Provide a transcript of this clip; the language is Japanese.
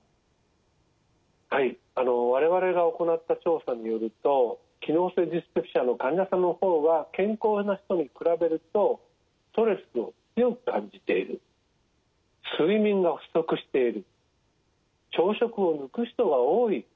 我々が行った調査によると機能性ディスペプシアの患者さんの方は健康な人に比べるとストレスを強く感じている睡眠が不足している朝食を抜く人が多いなどということが判明しました。